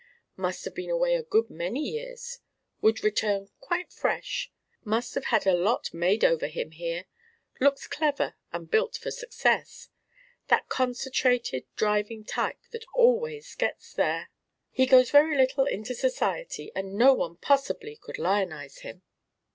"Must have been away a good many years. Would return quite fresh must have had a lot made over him here looks clever and built for success that concentrated driving type that always gets there " "He goes very little into society and no one possibly could lionise him."